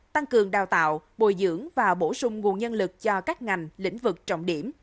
tăng cường đào tạo bồi dưỡng và bổ sung nguồn nhân lực cho các ngành lĩnh vực trọng điểm